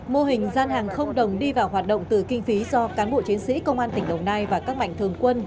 mô hình gian hàng không đồng đi vào hoạt động từ kinh phí do cán bộ chiến sĩ công an tỉnh đồng nai và các mạnh thường quân